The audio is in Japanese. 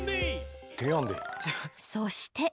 そして。